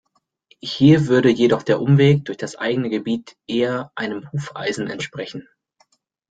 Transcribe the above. Hier würde jedoch der Umweg durch das eigene Gebiet eher einem Hufeisen entsprechen.